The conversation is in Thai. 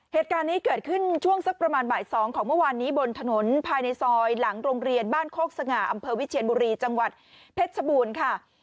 เหตุการณ์นี้เกิดขึ้นช่วงสักประมาณบ่าย๒ของเมื่อวานนี้บนถนนภายในซอยหลังโรงเรียนบ้านโคกสง่าอำเภอวิเชียนบุรีจังหวัดเพชรชบูรณ์ค่ะ